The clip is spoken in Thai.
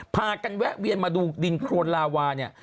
พากันแวะเวียนมาดูดินโครนลาวาเนี่ย